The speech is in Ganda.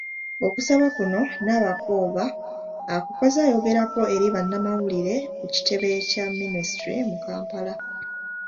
Okusaba kuno Nabakooba akukoze ayogerako eri bannamawulire ku kitebe kya Minisitule mu Kampala.